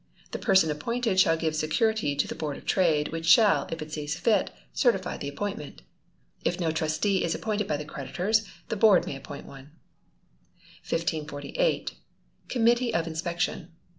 The person appointed shall give security to the Board of Trade, which shall, if it sees fit, certify the appointment. If no Trustee is appointed by the creditors, the Board may appoint one. 1548. Committee of Inspection.